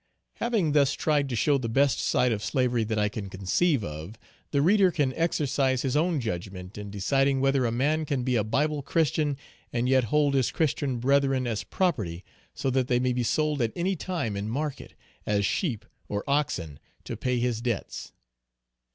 Having thus tried to show the best side of slavery that I can conceive of, the reader can exercise his own judgment in deciding whether a man can be a Bible Christian, and yet hold his Christian brethren as property, so that they may be sold at any time in market, as sheep or oxen, to pay his debts.